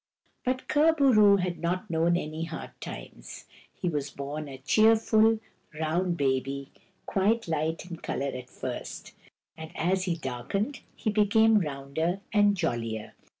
But Kur bo roo had not known any hard times. He was born a cheerful, round baby, quite light in colour at first ; and as he darkened he became rounder and jollier.